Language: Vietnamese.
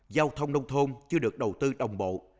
giao thông nông thôn chưa được đầu tư đồng bộ